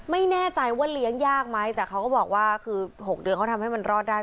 ไม่แน่ใจว่าเลี้ยงยากไหมแต่เขาก็บอกว่าคือ๖เดือนเขาทำให้มันรอดได้